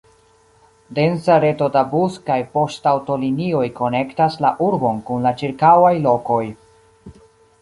Densa reto da bus- kaj poŝtaŭtolinioj konektas la urbon kun la ĉirkaŭaj lokoj.